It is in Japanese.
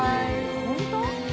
本当？